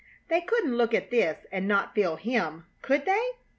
They couldn't look at this and not feel Him, could they?